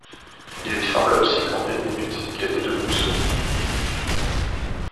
Il lui sembla aussi qu’en une minute il était devenu sourd.